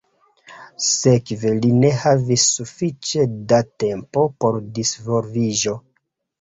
Sekve li ne havis sufiĉe da tempo por disvolviĝo.